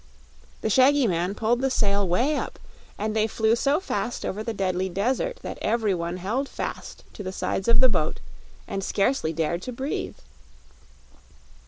The shaggy man pulled the sail way up, and they flew so fast over the Deadly Desert that every one held fast to the sides of the boat and scarcely dared to breathe.